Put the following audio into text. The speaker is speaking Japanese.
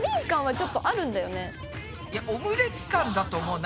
いやオムレツ感だと思うな。